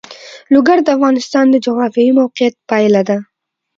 لوگر د افغانستان د جغرافیایي موقیعت پایله ده.